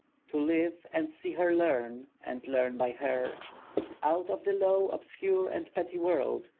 To live, and see her learn, and learn by her, Out of the low obscure and petty world....